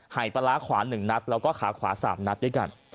หายปลาร้าขวา๑นัดแล้วก็ขาขวา๓นัดด้วยกัน